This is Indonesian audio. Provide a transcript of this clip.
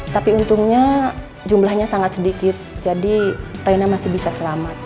tapi untungnya jumlahnya sangat sedikit jadi raina masih bisa selamat